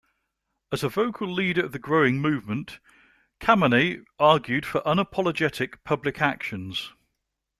As a vocal leader of the growing movement, Kameny argued for unapologetic public actions.